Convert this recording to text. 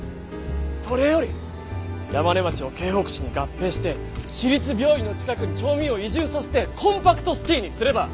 それより山子町を京北市に合併して市立病院の近くに町民を移住させてコンパクトシティーにすれば！